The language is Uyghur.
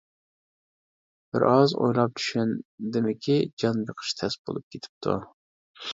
بىر ئاز ئويلاپ چۈشەندىمكى، جان بېقىش تەس بولۇپ كېتىپتۇ.